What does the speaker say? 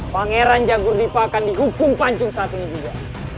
pangeran jagur dipa akan dihukum pancung saat ini juga